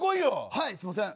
はいすいません。